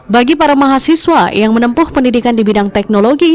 bagi para mahasiswa yang menempuh pendidikan di bidang teknologi